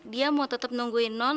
dia mau tetap nungguin non